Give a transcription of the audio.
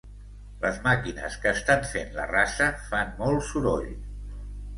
Les màquines que estan fent la rasa fan molt soroll